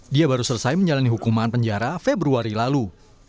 dia baru selesai menjalani hukuman penjara februari lalu